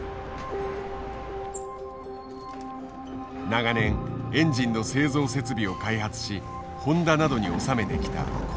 長年エンジンの製造設備を開発しホンダなどに納めてきたこの会社。